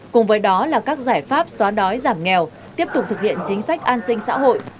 cùng với đó là các giải pháp xóa đói giảm nghèo tiếp tục thực hiện chính sách an sinh xã hội